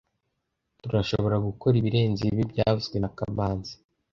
Turashoboragukora ibirenze ibi byavuzwe na kamanzi